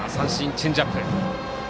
チェンジアップ。